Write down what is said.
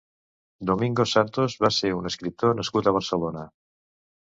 Domingo Santos va ser un escriptor nascut a Barcelona.